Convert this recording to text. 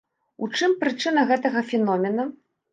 У чым прычына гэтага феномена?